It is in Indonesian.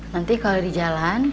nanti kalau di jalan